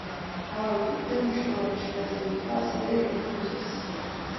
იმავე კლუბიდან მნიშვნელოვანი შენაძენი იყო ასევე რემი მოზესი.